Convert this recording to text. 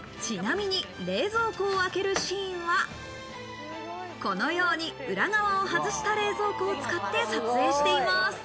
ちなみに、冷蔵庫を開けるシーンは、このように裏側を外した冷蔵庫を使って撮影しています。